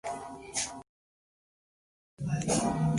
En el artículo se utiliza la notación de Dirac.